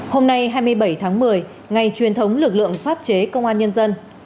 hôm nay hai mươi bảy tháng một mươi ngày truyền thống lực lượng pháp chế công an nhân dân